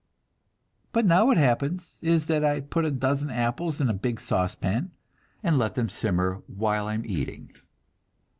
But now what happens is that I put a dozen apples in a big sauce pan and let them simmer while I am eating.